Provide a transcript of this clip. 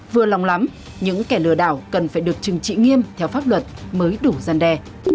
vừa lòng lắm những kẻ lừa đảo cần phải được trừng trị nghiêm theo pháp luật mới đủ gian đe